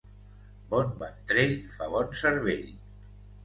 Bon ventrell fa bon cervell.